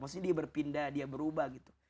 maksudnya dia berpindah dia berubah gitu